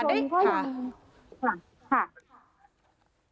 สื่อมวลชนก็ยังค่ะ